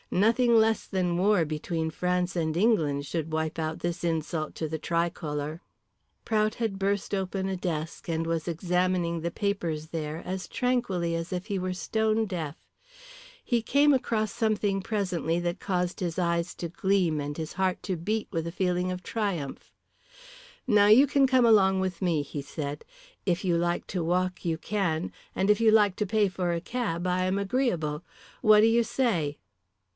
Nothing less than war between France and England should wipe out this insult to the tricolour. Prout had burst open a desk and was examining the papers there as tranquilly as if he were stone deaf. He came across something presently that caused his eyes to gleam and his heart to beat with a feeling of triumph. "Now you can come along with me," he said. "If you like to walk you can, and if you like to pay for a cab I am agreeable. What do you say?"